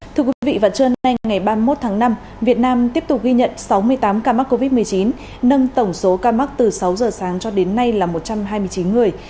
thưa quý vị vào trưa nay ngày ba mươi một tháng năm việt nam tiếp tục ghi nhận sáu mươi tám ca mắc covid một mươi chín nâng tổng số ca mắc từ sáu giờ sáng cho đến nay là một trăm hai mươi chín người